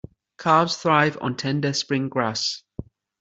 Calves thrive on tender spring grass.